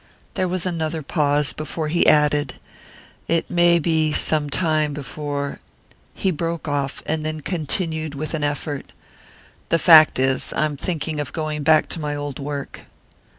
There was another pause before he added: "It may be some time before " He broke off, and then continued with an effort: "The fact is, I am thinking of going back to my old work."